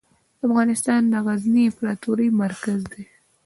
افغانستان د غزني امپراتورۍ مرکز و.